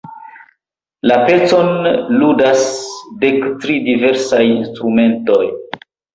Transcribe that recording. La pecon ludas dek tri diversaj instrumentoj.